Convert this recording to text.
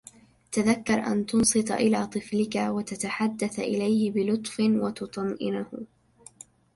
تذكَّر أن تنصت إلى طفلك، وتتحدَّث إليه بلطف، وتطمئنه.